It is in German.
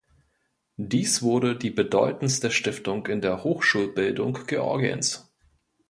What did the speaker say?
Dies wurde die bedeutendste Stiftung in der Hochschulbildung Georgiens.